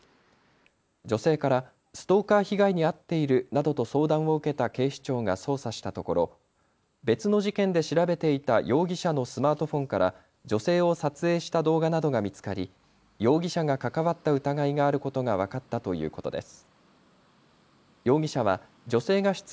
女性からストーカー被害に遭っているなどと相談を受けた警視庁が捜査したところ、別の事件で調べていた容疑者のスマートフォンから女性を撮影した動画などが見つかり容疑者が関わった疑いがあることが分かったということです。